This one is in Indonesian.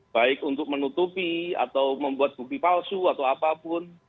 baik untuk menutupi atau membuat bukti palsu atau apapun